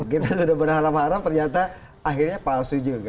kita sudah berharap harap ternyata akhirnya palsu juga